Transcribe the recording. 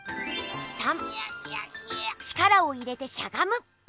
３「力を入れてしゃがむ」。